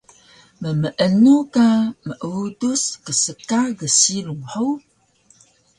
Mmeenu ka meudus kska gsilung hug?